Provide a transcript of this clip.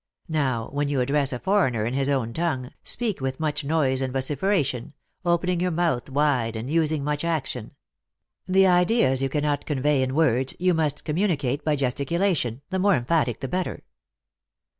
Now, when you address a foreigner in his own tongue, speak with much noise and vociferation, open ing your mouth wide and using much action. The ideas you cannot convey in words, you must communi cate by gesticulation, the more emphatic the better."